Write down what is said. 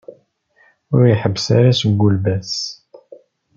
Ur ḥebbes ara seg ulbas.